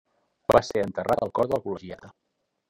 Va ser enterrat al cor de la col·legiata.